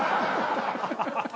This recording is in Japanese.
ハハハハ！